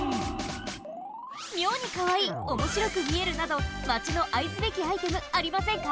みょうにかわいいおもしろくみえるなどマチの愛すべきアイテムありませんか？